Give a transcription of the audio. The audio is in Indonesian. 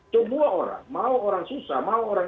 semua orang mau orang susah mau orang